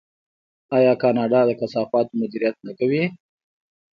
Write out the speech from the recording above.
آیا کاناډا د کثافاتو مدیریت نه کوي؟